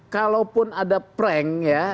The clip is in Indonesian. kalaupun ada prank ya